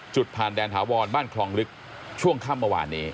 จุดผ่านแดนถาวรบ้านคลองลึกช่วงค่ำเมื่อวานนี้